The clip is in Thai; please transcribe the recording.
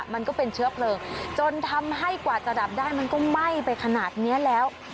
มันก็เป็นเชื้อเพลิงจนทำให้กว่าจะดับได้มันก็ไหม้ไปขนาดนี้แล้ว